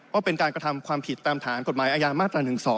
ว่าเป็นการกระทำความผิดตามฐานกฎหมายอาญามาตรา๑๒